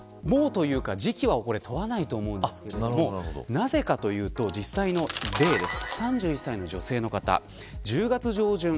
時期は問わないと思うんですけどなぜかというと、実際の例です。